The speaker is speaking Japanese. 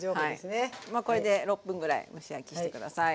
これで６分ぐらい蒸し焼きして下さい。